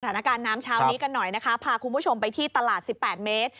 ฐานการณ์น้ำเช้านี้กันหน่อยนะคะพาคุณผู้ชมไปที่ตลาดสิบแปดเมตร